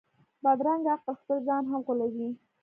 بدرنګه عقل خپل ځان هم غولوي